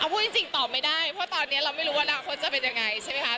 พูดจริงตอบไม่ได้เพราะตอนนี้เราไม่รู้ว่าอนาคตจะเป็นยังไงใช่ไหมคะ